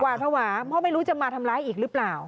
ภาวะเพราะไม่รู้จะมาทำร้ายอีกหรือเปล่า